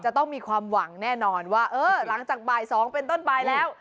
จะต้องมีความหวังแน่นอนว่าเออหลังจากบ่าย๒เป็นต้นไปแล้ว